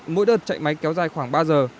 mỗi đợt chạy máy kéo dài khoảng ba giờ